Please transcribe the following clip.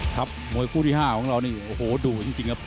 ครับมวยคู่ที่๕ของเรานี่โอ้โหดูจริงครับ